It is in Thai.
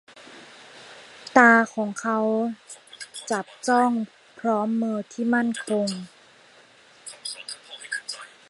ตาของเขาจับจ้อง พร้อมมือที่มั่นคง